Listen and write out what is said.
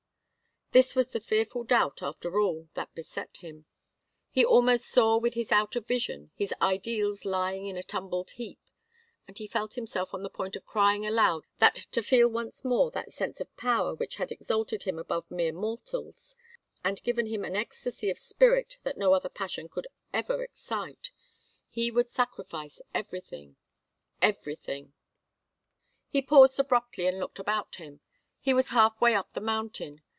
This was the fearful doubt, after all, that beset him. He almost saw with his outer vision his ideals lying in a tumbled heap, as he felt himself on the point of crying aloud that to feel once more that sense of power which had exalted him above mere mortals, and given him an ecstasy of spirit that no other passion could ever excite, he would sacrifice everything, everything! He paused abruptly and looked about him. He was half way up the mountain.